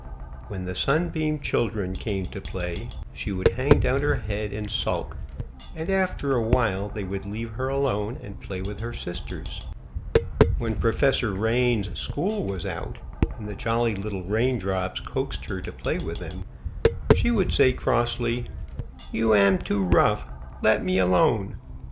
When the Sunbeam children came to play, she would hang down her head and sulk, and after a while they would leave her alone, and play with her sisters. When Professor Rain's school was out, and the jolly little raindrops coaxed her to play with them, she would say crossly, "You am too rough, let me alone!"